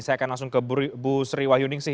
saya akan langsung ke bu sri wahyuningsih